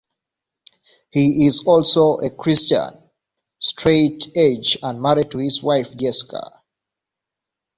He is also Christian, Straight edge and married to his wife, Jessica.